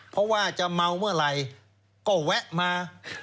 เพราะว่าจะเมาเมื่อไหร่ก็แวะมา